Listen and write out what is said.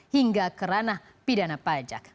hingga kerana pidana pajak